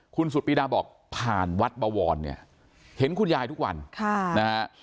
คุณสุดปีดาบอกผ่านวัดบวรเนี่ยเห็นคุณยายทุกวันค่ะนะฮะ